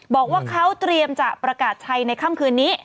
บอกว่าเขาเตรียมจะประกาศชัยในค่ำคืนนี้